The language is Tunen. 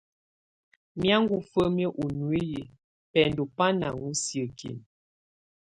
Mí aŋó femie ɔ nuiyi, bɛndo ba ŋaŋo siekin.